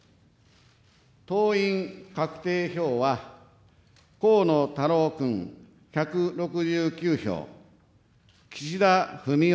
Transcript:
党員確定票は河野太郎君１６９票、岸田文雄